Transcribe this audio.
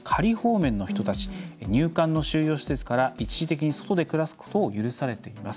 民間の収容施設から一時的に外を暮らすことを許されています。